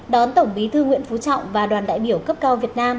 đón tổng bí thư nguyễn phú trọng và đoàn đại biểu cấp cao việt nam